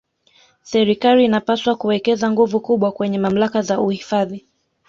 serikali inapaswa kuwekeza nguvu kubwa kwenye mamlaka za uhifadhi